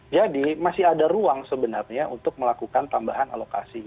jadi masih ada ruang sebenarnya untuk melakukan tambahan alokasi